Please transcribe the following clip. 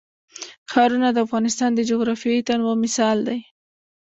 ښارونه د افغانستان د جغرافیوي تنوع مثال دی.